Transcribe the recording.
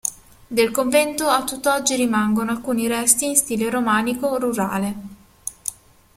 Del convento a tutt'oggi rimangono alcuni resti in stile romanico rurale.